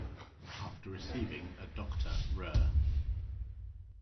After receiving a Doctor rer.